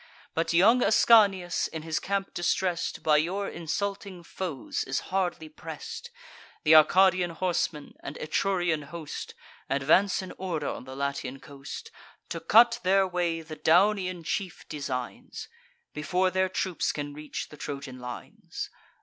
But young Ascanius, in his camp distress'd, By your insulting foes is hardly press'd. Th' Arcadian horsemen, and Etrurian host, Advance in order on the Latian coast: To cut their way the Daunian chief designs, Before their troops can reach the Trojan lines.